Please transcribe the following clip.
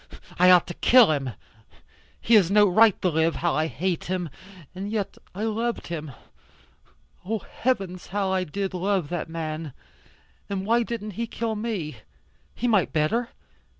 I ought to kill him. He has no right to live. How I hate him. And yet I loved him. Oh heavens, how I did love that man. And why didn't he kill me? He might better.